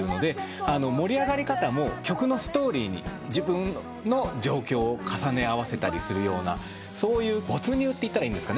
盛り上がり方も曲のストーリーに自分の状況を重ね合わせたりするようなそういう没入って言ったらいいんですかね。